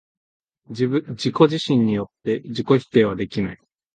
自己自身によって自己否定はできない。